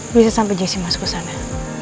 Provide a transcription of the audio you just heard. bisa sampai jessi mas ke sana